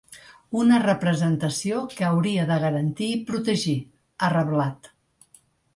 “Una representació que hauria de garantir i protegir”, ha reblat.